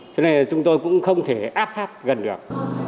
cho nên là chúng tôi cũng không thể áp sát gần được